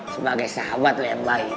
sebagai sahabat lah yang baik